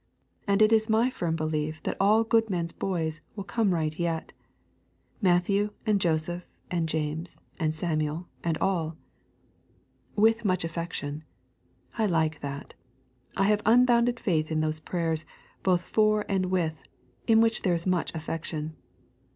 And it is my firm belief that all that good man's boys will come right yet: Matthew and Joseph and James and Samuel and all. 'With much affection.' I like that. I have unbounded faith in those prayers, both for and with, in which there is much affection.